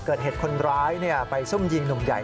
เกิดเหตุคนร้ายไปซุ่มยิงหนุ่มใหญ่